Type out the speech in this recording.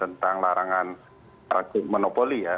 tentang larangan praktik monopoli ya